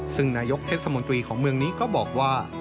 ซึ่งนายกเทศมนตรีของเมืองนี้ก็บอกว่า